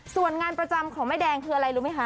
ส่วนงานประจำของแม่แดงคืออะไรรู้ไหมคะ